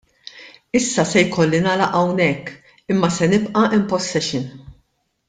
Issa se jkolli nagħlaq hawnhekk imma se nibqa' in possession.